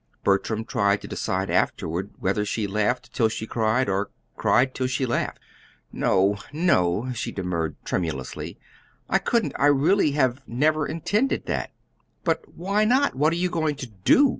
Bertram tried to decide afterward whether she laughed till she cried, or cried till she laughed. "No, no," she demurred tremulously. "I couldn't. I really have never intended that." "But why not? What are you going to do?"